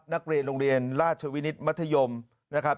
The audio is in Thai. นักเรียนโรงเรียนราชวินิตมัธยมนะครับ